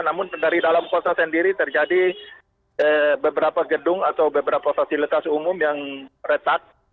namun dari dalam kota sendiri terjadi beberapa gedung atau beberapa fasilitas umum yang retak